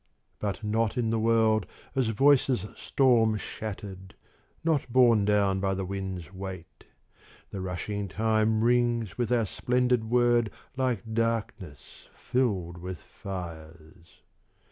But not in the world as voices storm shatter'd, Not borne down by the wind's weight; The rushing time rings with our splendid word Like darkness filled with fires.